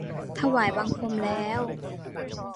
ถวายบังคมแล้ว